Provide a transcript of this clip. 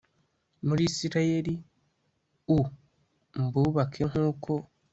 muri Isirayeli u mbubake nk uko